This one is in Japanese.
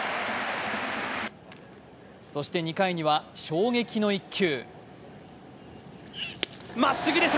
そして、２回には衝撃の１球。